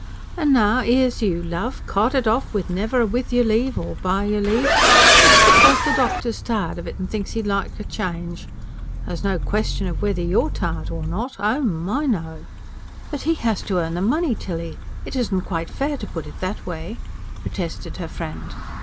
And now 'ere's you, love, carted off with never a with your leave or by your leave, just because the doctor's tired of it and thinks 'e'd like a change. There's no question of whether you're tired or not oh, my, no!" "But he has to earn the money, Tilly. It isn't quite fair to put it that way," protested her friend.